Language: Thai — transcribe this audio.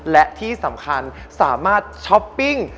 และที่สำคัญสามารถช้อปปิ้ง